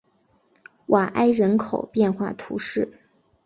瓦埃人口变化图示